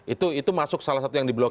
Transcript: itu masuk salah satu yang diblokir